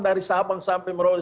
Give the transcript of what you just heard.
dari sabang sampai meraui